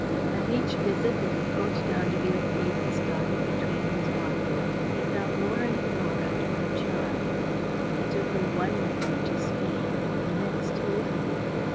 At each visit that the Comte d'Andeville paid his daughter between his wanderings he fell more and more under her charm. He took her one winter to Spain and the next to Italy.